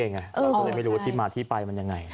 เราก็เลยไม่รู้ว่าที่มาที่ไปมันยังไง